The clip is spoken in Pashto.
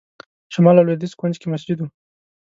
شمال لوېدیځ کونج کې مسجد و.